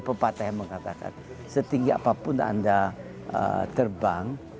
the pepatah yang mengatakan setinggi apapun anda terbang